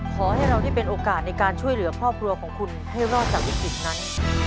ขอให้เราได้เป็นโอกาสในการช่วยเหลือครอบครัวของคุณให้รอดจากวิกฤตนั้น